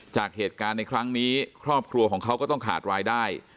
จากเหตุการณ์ในครั้งนี้ครอบครัวของเขาก็ต้องขาดรายได้